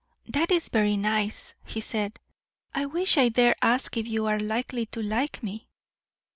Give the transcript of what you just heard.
"That is very nice," he said; "I wish I dare ask if you are likely to like me?"